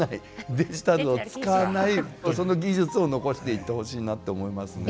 デジタルを使わないその技術を残していってほしいなと思いますね。